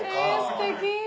すてき。